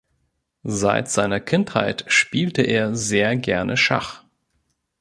Seit seiner Kindheit spielte er sehr gerne Schach.